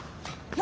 何？